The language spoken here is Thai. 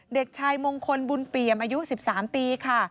เด็กชายมงคลบุญเปี่ยมอายุ๑๓ปีค่ะ